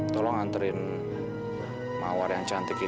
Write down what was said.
tolong anterin mawar yang cantik ini ke ruangan istri saya